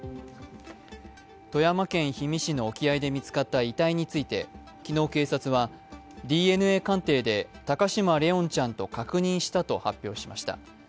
富山県氷見市の沖合で見つかった遺体について昨日警察は、ＤＮＡ鑑定で高嶋怜音ちゃんと確認したと発表しました。